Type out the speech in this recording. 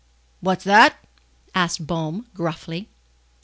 "What's that?" asked Baume, gruffly.